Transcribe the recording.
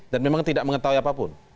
dan memang tidak mengetahui apapun